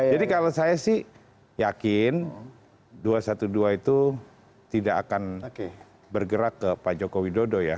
jadi kalau saya sih yakin dua ratus dua belas itu tidak akan bergerak ke pak joko widodo ya